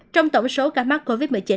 trong tổng số ca mắc covid một mươi chín